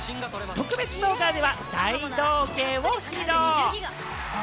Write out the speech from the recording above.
特別動画では大道芸を披露。